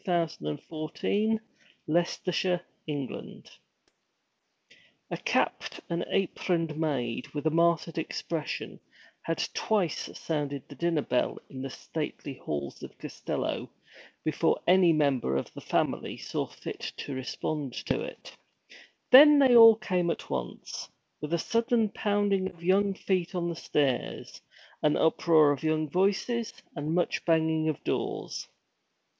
WHAT HAPPENED TO ALANNA BY KATHLEEN NORRIS A CAPPED and aproned maid, with a martyred expression, had twice sounded the dinner bell in the stately halls of Costello, before any member of the family saw fit to respond to it. Then they all came at once, with a sudden pounding of young feet on the stairs, an uproar of young voices, and much banging of doors.